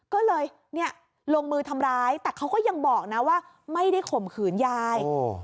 ก็เลยเนี่ยลงมือทำร้ายแต่เขาก็ยังบอกนะว่าไม่ได้ข่มขืนยาย